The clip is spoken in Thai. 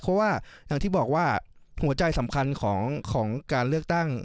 เพราะว่าอย่างที่บอกว่าหัวใจสำคัญของการเลือกตั้ง